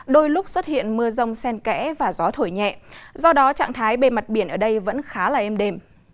đôi lúc xuất hiện mưa rông sen kẽ và gió thổi nhẹ do đó trạng thái bề mặt biển ở đây vẫn khá là êm đềm